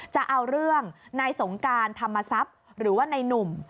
จะเอาเรื่องนายสงการธรรมทรัพย์หรือว่านายหนุ่ม